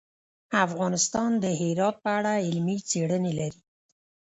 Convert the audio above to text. افغانستان د هرات په اړه علمي څېړنې لري.